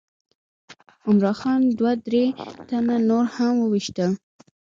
عمرا خان دوه درې تنه نور هم وویشتل.